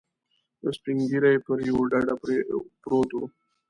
یو سپین ږیری پر یوه ډډه پروت و.